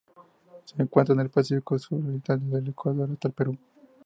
Se encuentra en el Pacífico suroriental: desde el Ecuador hasta el Perú.